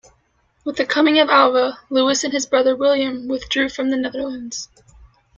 With the coming of Alva, Louis and his brother William withdrew from the Netherlands.